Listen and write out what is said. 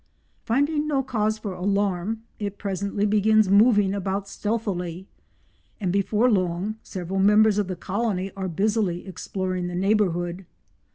Finding no cause for alarm, it presently begins moving about stealthily, and before long several members of the colony are busily exploring the neighbourhood.